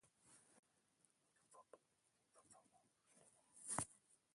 Gezurra esan aurretik pertsona zintzotzat hartu zintugun.